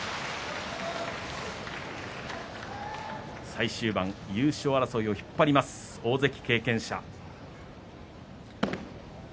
最終盤、優勝争いを引っ張る高安、大関経験者。